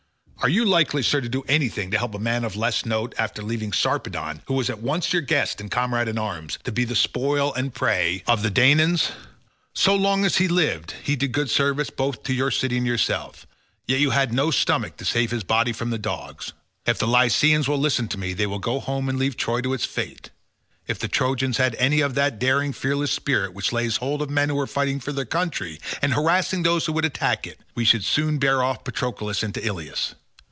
Are you likely, sir, to do anything to help a man of less note, after leaving Sarpedon, who was at once your guest and comrade in arms, to be the spoil and prey of the Danaans? So long as he lived he did good service both to your city and yourself; yet you had no stomach to save his body from the dogs. If the Lycians will listen to me, they will go home and leave Troy to its fate. If the Trojans had any of that daring fearless spirit which lays hold of men who are fighting for their country and harassing those who would attack it, we should soon bear off Patroclus into Ilius.